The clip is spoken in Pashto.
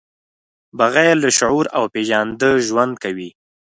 بغیر له شعور او پېژانده ژوند کوي.